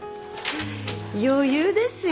余裕ですよ